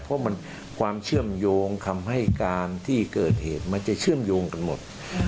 เพราะมันความเชื่อมโยงคำให้การที่เกิดเหตุมันจะเชื่อมโยงกันหมด